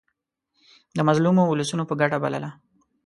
د مظلومو اولسونو په ګټه بلله.